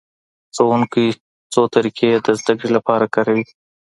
ښوونکی څو طریقې د زدهکړې لپاره کاروي.